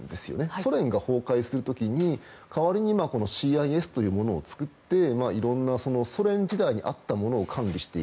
ソ連が崩壊する時に、代わりにＣＩＳというものを作っていろんなソ連時代に合ったものを完備している。